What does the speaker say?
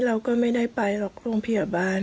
เราก็ไม่ได้ไปหรอกโรงพยาบาล